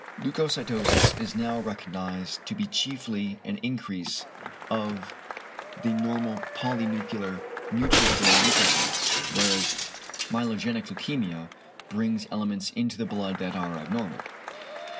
Leucocytosis is now recognised to be chiefly an increase of the normal polynuclear neutrophil leucocytes; whereas myelogenic leukæmia brings elements into the blood that are abnormal.